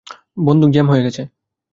বন্দুক জ্যাম হয়ে গেছে।